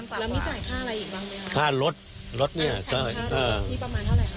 แล้วมีจ่ายค่าอะไรอีกบ้างไหมคะค่ารถรถเนี่ยก็นี่ประมาณเท่าไหร่